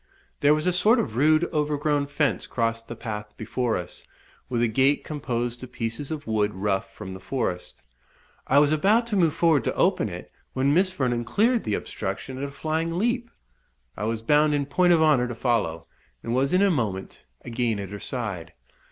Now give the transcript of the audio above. There was a sort of rude overgrown fence crossed the path before us, with a gate composed of pieces of wood rough from the forest; I was about to move forward to open it, when Miss Vernon cleared the obstruction at a flying leap. I was bound in point of honour to follow, and was in a moment again at her side.